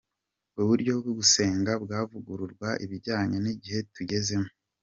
Uburyo bwo gusenga bwavugururwa bijyanye n’igihe tugezemo.